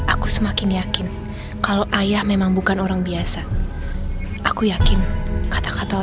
ibu seharusnya gak ngelakuin kayak gitu